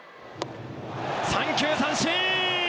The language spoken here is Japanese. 三球三振！